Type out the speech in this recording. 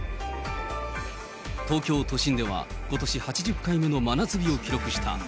東京都心では、ことし８０回目の真夏日を記録した。